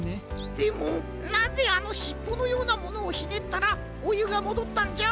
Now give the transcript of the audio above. でもなぜあのしっぽのようなものをひねったらおゆがもどったんじゃ？